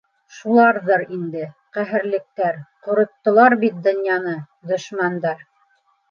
— Шуларҙыр инде, ҡәһәрлектәр, ҡороттолар бит донъяны, дошмандар.